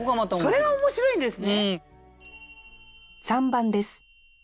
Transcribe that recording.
それが面白いんですね！